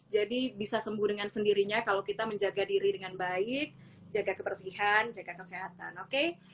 jadi bisa sembuh dengan sendirinya kalau kita menjaga diri dengan baik jaga kebersihan jaga kesehatan oke